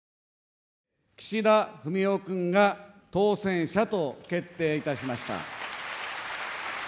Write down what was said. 岸田文雄君が当選者と決定いたしました。